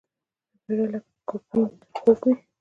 ښه مېړه لکه ګبين خوږ وي